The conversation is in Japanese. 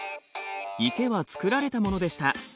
池は造られたものでした。